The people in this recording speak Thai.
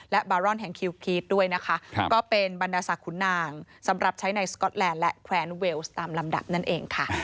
และบารอนแห่งคิวพีชด้วยนะคะก็เป็นบรรดาศักดิขุนนางสำหรับใช้ในสก๊อตแลนด์และแขวนเวลส์ตามลำดับนั่นเองค่ะ